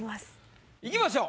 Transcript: いきましょう。